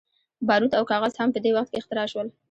باروت او کاغذ هم په دې وخت کې اختراع شول.